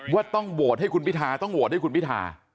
ว่าต้องโหวตให้คุณพิทาต้องโหวตให้คุณพิธา